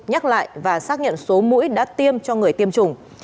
nhắc lại và xác nhận số mũi đã tiêm cho người tiêm chủng